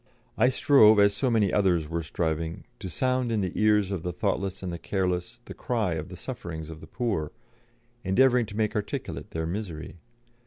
I strove, as so many others were striving, to sound in the ears of the thoughtless and the careless the cry of the sufferings of the poor, endeavouring to make articulate their misery.